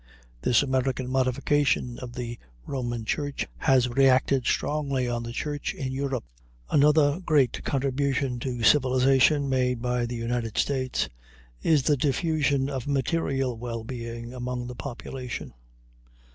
This American modification of the Roman Church has reacted strongly on the Church in Europe. Another great contribution to civilization made by the United States is the diffusion of material well being among the population.